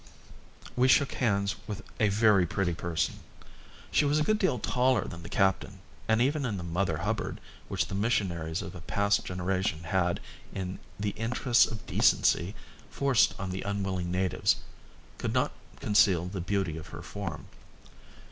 We shook hands with a very pretty person. She was a good deal taller than the captain, and even the Mother Hubbard, which the missionaries of a past generation had, in the interests of decency, forced on the unwilling natives, could not conceal the beauty of her form.